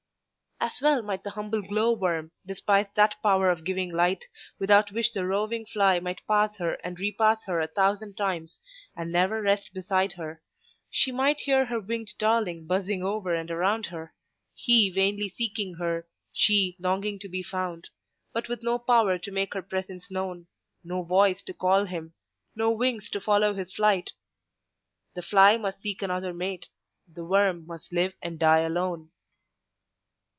As well might the humble glowworm despise that power of giving light without which the roving fly might pass her and repass her a thousand times, and never rest beside her: she might hear her winged darling buzzing over and around her; he vainly seeking her, she longing to be found, but with no power to make her presence known, no voice to call him, no wings to follow his flight;—the fly must seek another mate, the worm must live and die alone.